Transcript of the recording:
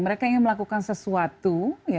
mereka ingin melakukan sesuatu